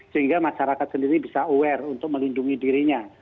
sehingga masyarakat sendiri bisa aware untuk melindungi dirinya